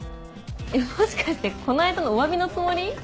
もしかしてこの間のおわびのつもり？